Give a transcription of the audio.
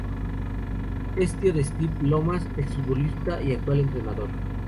Es tío de Steve Lomas, exfutbolista y actual entrenador.